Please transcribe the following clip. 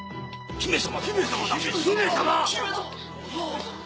姫様！